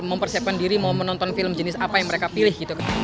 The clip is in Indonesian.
mempersiapkan diri mau menonton film jenis apa yang mereka pilih